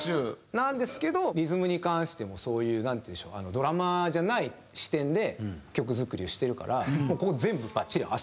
なんですけどリズムに関してもそういうなんていうんでしょうドラマーじゃない視点で曲作りをしてるから大変！